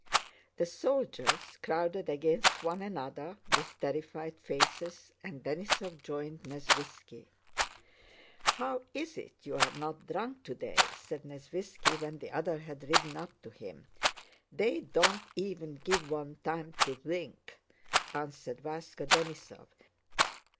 The soldiers crowded against one another with terrified faces, and Denísov joined Nesvítski. "How's it you're not drunk today?" said Nesvítski when the other had ridden up to him. "They don't even give one time to dwink!" answered Váska Denísov.